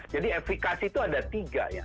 jadi efikasi itu ada tiga ya